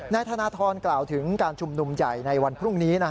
นายธนทรกล่าวถึงการชุมนุมใหญ่ในวันพรุ่งนี้